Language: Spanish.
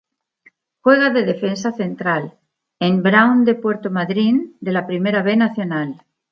Juega de defensa central en Brown de Puerto Madryn de la Primera B Nacional.